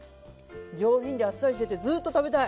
上品であっさりしててずっと食べたい。